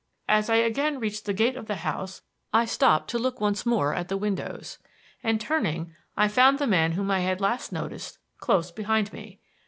As I again reached the gate of the house I stopped to look once more at the windows, and turning I found the man whom I had last noticed close behind me.